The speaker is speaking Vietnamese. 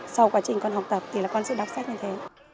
sau quá trình con học tập thì là con sẽ đọc sách như thế